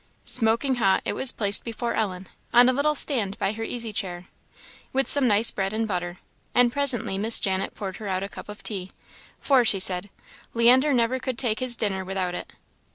Smoking hot, it was placed before Ellen, on a little stand by her easy chair, with some nice bread and butter; and presently Miss Janet poured her out a cup of tea; "for," she said, "Leander never could take his dinner without it."